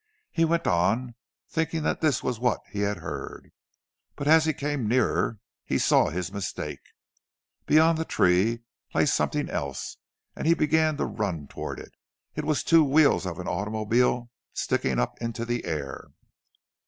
He went on, thinking that this was what he had heard. But as he came nearer, he saw his mistake. Beyond the tree lay something else, and he began to run toward it. It was two wheels of an automobile, sticking up into the air.